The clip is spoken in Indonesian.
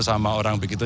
sama orang begitu